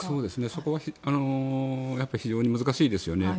そこはやっぱり非常に難しいですよね。